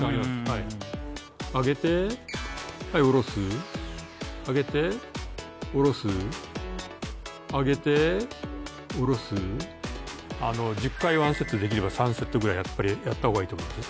はい上げてはい下ろす上げて下ろす上げて下ろす１０回１セットできれば３セットぐらいやった方がいいと思います